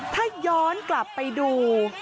ถ้าย้อนกลับไปดู